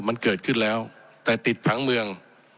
มันเกิดขึ้นแล้วแต่ติดผังเมือง